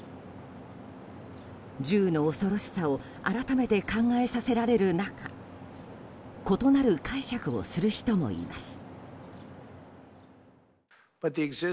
銃の恐ろしさを改めて考えさせられる中異なる解釈をする人もいます。